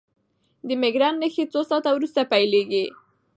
د مېګرین نښې څو ساعته وروسته پیلېږي.